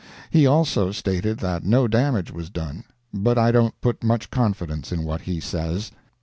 He also stated that no damage was done; but I don't put much confidence in what he says.